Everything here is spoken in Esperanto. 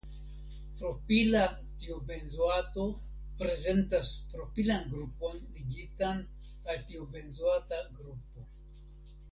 Propila tiobenzoato prezentas propilan grupon ligitan al tiobenzoata grupo.